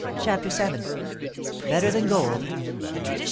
CHAPTER VII. BETTER THAN GOLD.